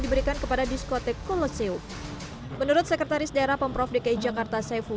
diberikan kepada diskotek koloseum menurut sekretaris daerah pemprov dki jakarta saiful